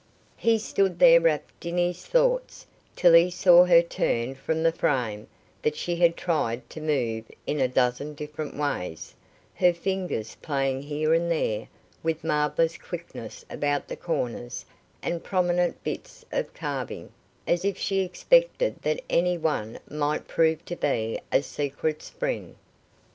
He stood there wrapt in his thoughts, till he saw her turn from the frame, that she had tried to move in a dozen different ways, her fingers playing here and there with marvellous quickness about the corners and prominent bits of carving, as if she expected that any one might prove to be a secret spring.